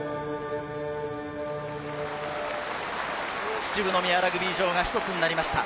秩父宮ラグビー場が１つになりました。